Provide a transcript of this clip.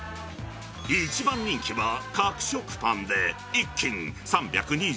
一番人気は、角食パンで、１斤３２４円。